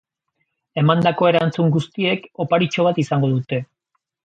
Emandako erantzun guztiek oparitxo bat izango dute.